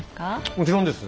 もちろんです。